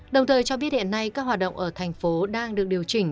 đồng thời cho biết hiện nay các hoạt động ở thành phố đang được điều chỉnh